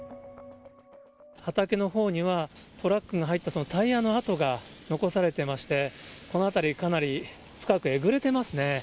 畑のほうにはトラックが入ったタイヤの跡が残されてまして、この辺り、かなり深くえぐれてますね。